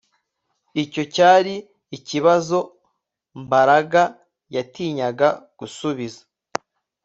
Icyo cyari ikibazo Mbaraga yatinyaga gusubiza